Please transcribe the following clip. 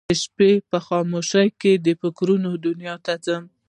د شپې په خاموشۍ کې د فکرونه دنیا ته ځم